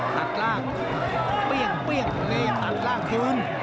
ตัดร่างเปรี้ยงเปรี้ยงเลมตัดร่างคืน